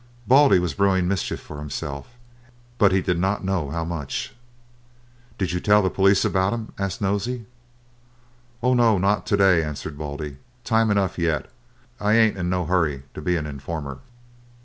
Baldy was brewing mischief for himself, but he did not know how much. "Did you tell the police about 'em?" asked Nosey. "Oh, no, not to day!" answered Baldy. "Time enough yet. I ain't in no hurry to be an informer."